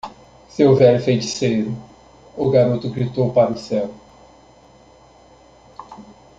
"Seu velho feiticeiro?" o garoto gritou para o céu.